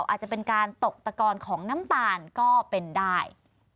อาจจะเป็นการตกตะกอนของน้ำตาลก็เป็นได้